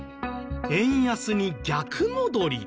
円安に逆戻り。